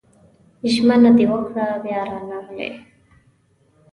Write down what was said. ژمنه دې وکړه بيا رانغلې